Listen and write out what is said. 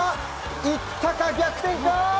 いったか、逆転か！